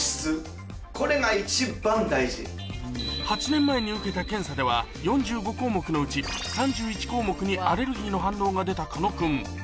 ８年前に受けた検査では４５項目のうち３１項目にアレルギーの反応が出た狩野君